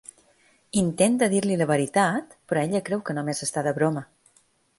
Intenta dir-li la veritat, però ella creu que només està de broma.